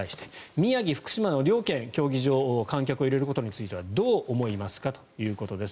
宮城、福島の両県に観客を入れることについてどう思いますかということです。